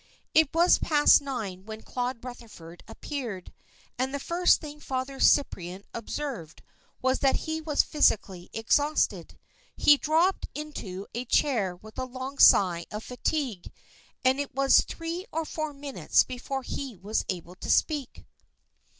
It was past nine when Claude Rutherford appeared, and the first thing Father Cyprian observed was that he was physically exhausted. He dropped into a chair with a long sigh of fatigue, and it was three or four minutes before he was able to speak.